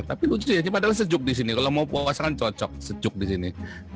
tapi lucu sih padahal sejuk disini kalau mau puasa kan cocok sejuk disini